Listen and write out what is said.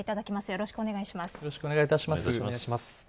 よろしくお願いします。